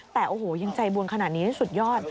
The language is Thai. แต่โอ้โหยังใจบุญขนาดนี้สุดยอด